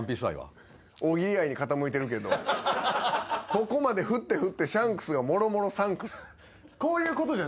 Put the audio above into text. ここまで振って振ってシャンクスが「もろもろサンクス」